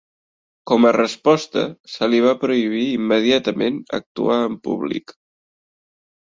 Com a resposta, se li va prohibir immediatament actuar en públic.